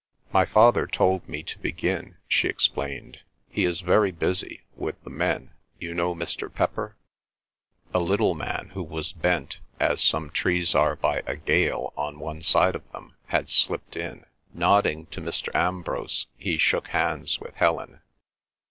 "My father told me to begin," she explained. "He is very busy with the men. ... You know Mr. Pepper?" A little man who was bent as some trees are by a gale on one side of them had slipped in. Nodding to Mr. Ambrose, he shook hands with Helen.